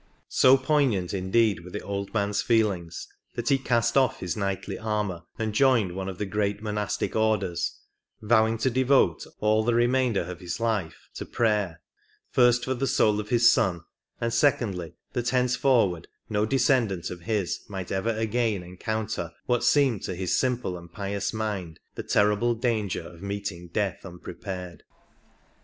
So poignant, indeed, were the old man's feelings that he cast off" his knightly armour and joined one of the great monastic orders, vowing to devote all the re mainder of his life to prayer, first for the soul of his son, and secondly that henceforward no descendant of his might ever again encounter what seemed to his simple and pious mind the terrible danger of meeting death unprepared.